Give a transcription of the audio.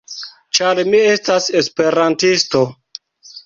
Ĉar mi estas esperantisto.